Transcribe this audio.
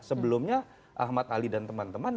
sebelumnya ahmad ali dan teman teman